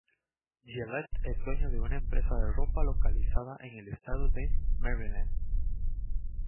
Gillette es dueño de una empresa de ropa localizada en el estado de Maryland.